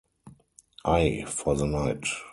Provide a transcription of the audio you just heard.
Ay, for the night.